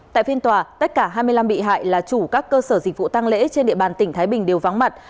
tại phiên tòa tất cả hai mươi năm bị hại là chủ các cơ sở dịch vụ tăng lễ trên địa bàn tỉnh thái bình đều vắng mặt